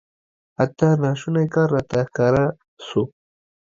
حتی ناشونی کار راته ښکاره سو.